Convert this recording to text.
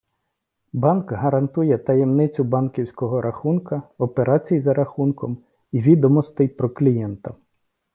Банк гарантує таємницю банківського рахунка, операцій за рахунком і відомостей про клієнта.